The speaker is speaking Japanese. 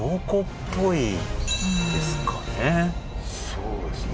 そうですね